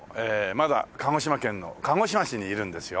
まだ鹿児島県の鹿児島市にいるんですよ。